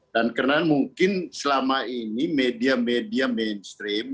dan karena mungkin selama ini media media mainstream